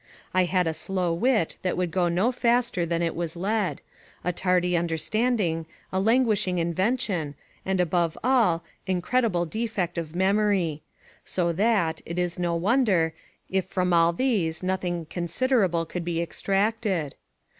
I had a slow wit that would go no faster than it was led; a tardy understanding, a languishing invention, and above all, incredible defect of memory; so that, it is no wonder, if from all these nothing considerable could be extracted.